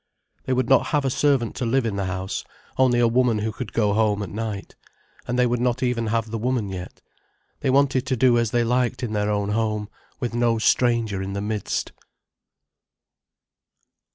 They would not have a servant to live in the house, only a woman who could go home at night. And they would not even have the woman yet. They wanted to do as they liked in their own home, with no stranger in the midst.